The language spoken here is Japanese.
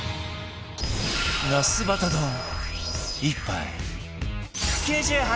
茄子バタ丼１杯